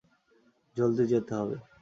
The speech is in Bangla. জলদি যেতে হবে।